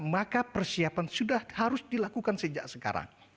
maka persiapan sudah harus dilakukan sejak sekarang